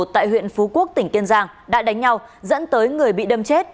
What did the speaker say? tại huyện phú quốc tỉnh kiên giang đã đánh nhau dẫn tới người bị đâm chết